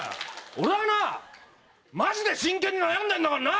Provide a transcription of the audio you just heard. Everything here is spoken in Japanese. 俺はなマジで真剣に悩んでんだからな！